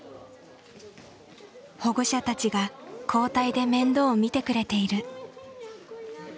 保護者たちが交代で面倒を見てくれている。